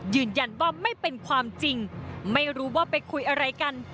ยืนยันว่าไม่เป็นความจริงไม่รู้ว่าไปคุยอะไรกัน